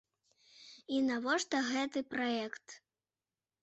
І навошта гэты праект?